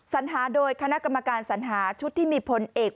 สัญหาโดยคณะกรรมการสัญหาชุดที่มีพลเอก